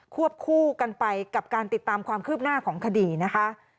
วบคู่กันไปกับการติดตามความคืบหน้าของคดีนะคะ